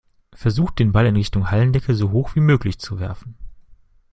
Versucht den Ball in Richtung Hallendecke so hoch wie möglich zu werfen.